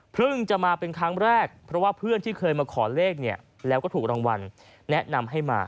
จะมาเป็นครั้งแรกเพราะว่าเพื่อนที่เคยมาขอเลขเนี่ยแล้วก็ถูกรางวัลแนะนำให้มา